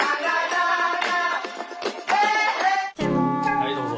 はいどうぞ。